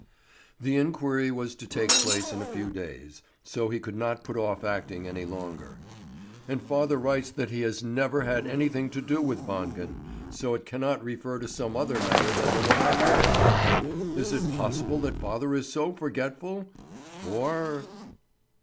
The inquiry was to take place in a few days, so he could not put off acting any longer. "And father writes that he has never had anything to do with Wangen; so it cannot refer to some other matter than the one I remember. Is it possible that father is so forgetful, or